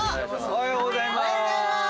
おはようございまーす！